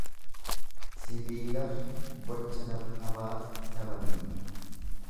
Sibiilarra gocha nama hamaatu nama miidha.